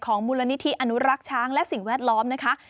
มูลนิธิอนุรักษ์ช้างและสิ่งแวดล้อมนะคะ